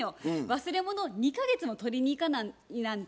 忘れ物を２か月も取りに行かないなんて